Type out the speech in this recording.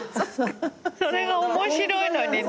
それが面白いのにね。